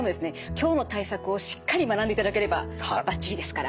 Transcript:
今日の対策をしっかり学んでいただければバッチリですから。